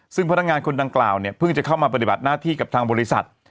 ซึ่งพนักงานคนดังกล่าวเนี่ยเพิ่งจะเข้ามาปฏิบัติหน้าที่กับทางบริษัท